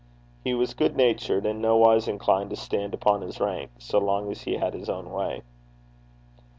He was good natured, and nowise inclined to stand upon his rank, so long as he had his own way.